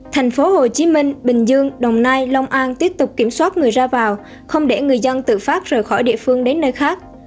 thành phố hồ chí minh bình dương đồng nai long an tiếp tục kiểm soát người ra vào không để người dân tự phát rời khỏi địa phương đến nơi khác